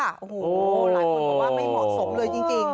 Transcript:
โอ้โหหลายคนบอกว่าไม่เหมาะสมเลยจริง